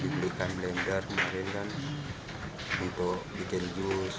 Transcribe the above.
dibelikan blender kemarin kan untuk bikin jus